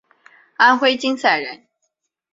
安徽金寨人。